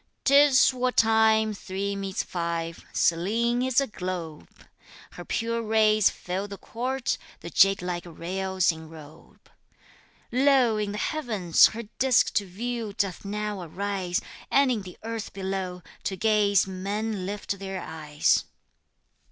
'Tis what time three meets five, Selene is a globe! Her pure rays fill the court, the jadelike rails enrobe! Lo! in the heavens her disk to view doth now arise, And in the earth below to gaze men lift their eyes.